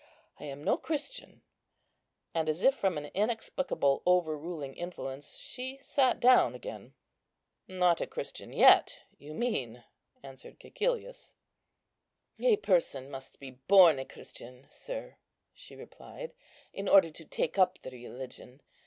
I am no Christian;" and, as if from an inexplicable overruling influence, she sat down again. "Not a Christian yet, you mean," answered Cæcilius. "A person must be born a Christian, sir," she replied, "in order to take up the religion.